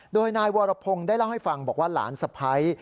โดยนายวรพงศ์ได้เล่าให้ฟังบอกว่าหลานสะพ้าย